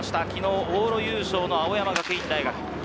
きのう、往路優勝の青山学院大学。